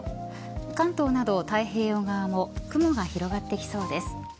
関東など太平洋側も雲が広がってきそうです。